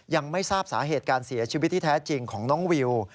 ยังไม่ทราบสาเหตุการเสียชีวิตที่แท้จริงของน้องวิว